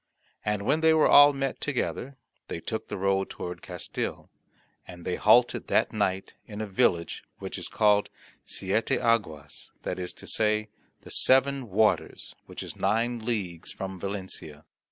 And when they were all met together, they took the road toward Castille; and they halted that night in a village which is called Siete Aguas, that is to say, the Seven Waters, which is nine leagues from Valencia.